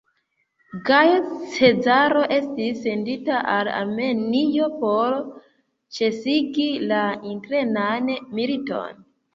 Gajo Cezaro estis sendita al Armenio por ĉesigi la internan militon.